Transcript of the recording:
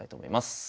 はい。